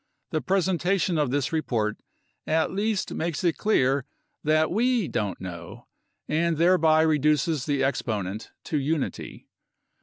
The presentation of this report at least makes it clear that we don't know, and thereby re duces the exponent to unity.